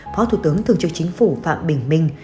phó thủ tướng thường trực chính phủ phạm bình minh